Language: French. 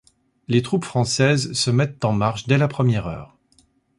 Les troupes françaises se mettent en marche dès la première heure.